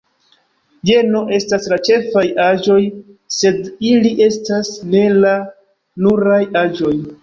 Jeno estas la ĉefaj aĵoj, sed ili estas ne la nuraj aĵoj.